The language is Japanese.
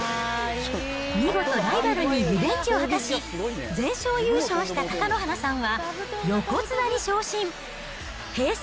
見事、ライバルにリベンジを果たし、全勝優勝した貴乃花さんは横綱に昇進。